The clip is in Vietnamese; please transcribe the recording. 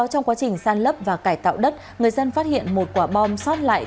trong quá trình san lấp và cải tạo đất người dân phát hiện một quả bom xót lại